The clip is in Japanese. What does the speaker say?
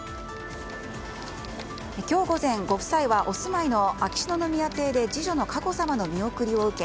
今日午前、ご夫妻はお住まいの秋篠宮邸で次女の佳子さまの見送りを受け